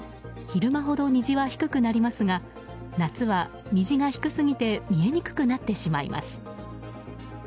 昼間ほど虹は低くなりますが夏は虹が低すぎて見えにくくなってしまいます。